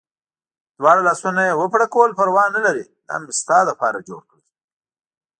دواړه لاسونه یې و پړکول، پروا نه لرې دا مې ستا لپاره جوړ کړل.